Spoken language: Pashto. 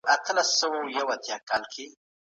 نور کسان وه، چي خپل ځان یې له قومي، قبایلي او